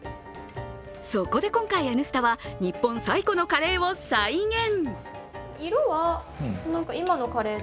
そこで今回「Ｎスタ」は日本最古のカレーを再現。